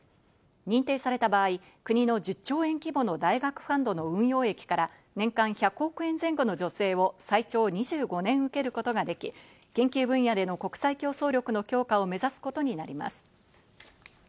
認定された場合、国の１０兆円規模の大学ファンドの運用益から年間１００億円前後の助成を最長２５年受けることができ、研究分野での国際競争力の強化を目指すことになります。